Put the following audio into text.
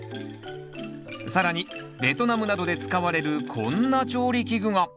更にベトナムなどで使われるこんな調理器具が！